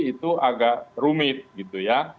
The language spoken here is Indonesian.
itu agak rumit gitu ya